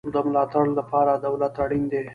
د ملاتړ لپاره دولت اړین دی